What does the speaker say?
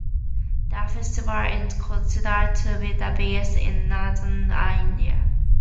The festival is considered to be the biggest in Northeast India.